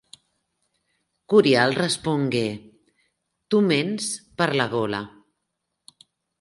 Curial respongué: Tu ments per la gola.